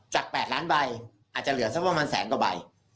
๘ล้านใบอาจจะเหลือสักประมาณแสนกว่าใบ